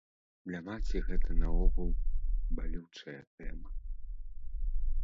Для маці гэта наогул балючая тэма.